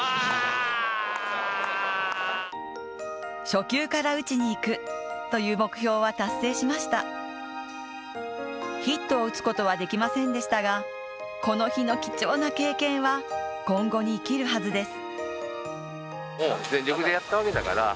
初球から打ちにいくという目標は達成しましたヒットを打つことはできませんでしたがこの日の貴重な経験は今後に生きるはずです。